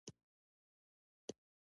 چټکه وده دودیز خنډونه له منځه وړي.